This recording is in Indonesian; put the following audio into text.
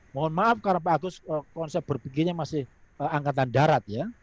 mohon maaf karena pak agus konsep berpikirnya masih angkatan darat ya